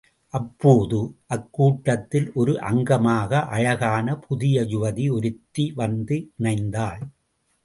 அப்போது, அக் கூட்டத்தில் ஒர் அங்கமாக அழகான புதிய யுவதி ஒருத்தி வந்து இணைந்தாள்.